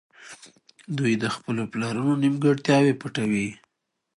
دوی د خپلو پلرونو نيمګړتياوې پټوي.